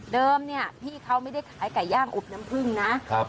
เดิมเนี่ยพี่เขาไม่ได้ขายไก่ย่างอบน้ำผึ้งนะ